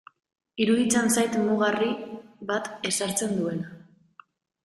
Iruditzen zait mugarri bat ezartzen duela.